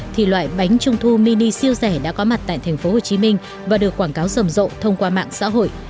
thì loại bánh trung thu mini siêu rẻ đã có mặt tại tp hcm và được quảng cáo rầm rộ thông qua mạng xã hội